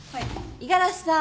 五十嵐さん。